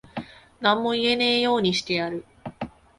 何も言えねぇようにしてやる。